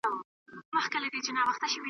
جنازې ته به یې ولي په سروسترګو ژړېدلای .